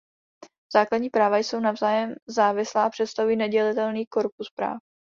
Základní práva jsou navzájem závislá a představují nedělitelný korpus práv.